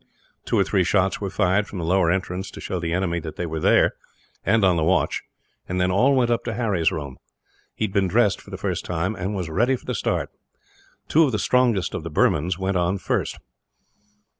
Two or three shots were fired, from the lower entrance, to show the enemy that they were there and on the watch; and then all went up to Harry's room. He had been dressed, for the first time, and was ready for the start. Two of the strongest of the Burmans went on first.